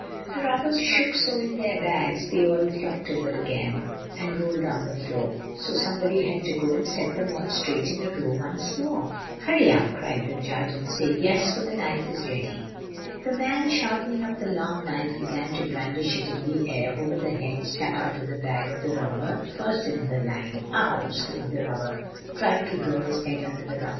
"The robbers shook so in their bags they all flopped over again, and rolled on the floor. So somebody had to go and set them all straight in a row once more. 'Hurry up,' cried the judge, 'and say "Yes," for the knife is ready.' "The man sharpening up the long knife began to brandish it in the air over the head stuck out of the bag of the robber first in the line. "'Ow!' screamed the robber, trying to draw his head under the ruffle.